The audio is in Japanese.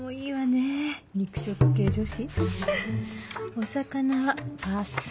お魚はパス。